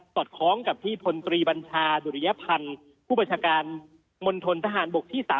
ตอบคล้องกับพี่พนธรีบัญชาดุรยภัณฑ์ผู้บัชการมณฑ์ทหารบกที่๓๗